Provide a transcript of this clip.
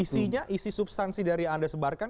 isinya isi substansi dari yang anda sebarkan